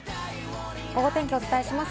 ゴゴ天気をお伝えします。